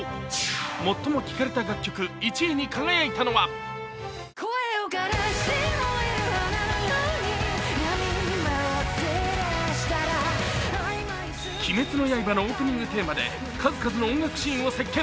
最も聴かれた楽曲１位に輝いたのは「鬼滅の刃」のオープニングテーマで数々の音楽シーンを席けん。